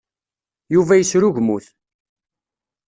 Yuba yesrugmut.